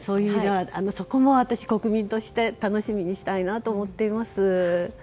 そこも私、国民として楽しみにしたいなと思っています。